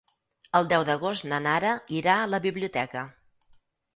El deu d'agost na Nara irà a la biblioteca.